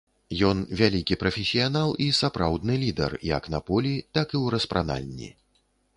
Ён вялікі прафесіянал і сапраўдны лідар як на полі, так і ў распранальні.